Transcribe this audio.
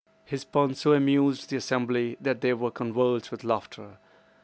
His pun so amused the assembly that they were convulsed with laughter.